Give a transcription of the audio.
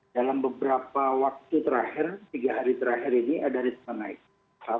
dalam beberapa waktu terakhir tiga hari terakhir ini ada risma naik